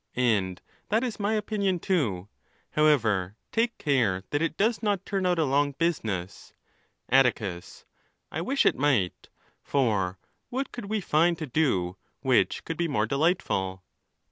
—And that is my opinion, too. However, take care that it does not turn out a long business. ee on wert LAWS, 439 Atticus.—I wish it might. For what could we find to do which could be more delightful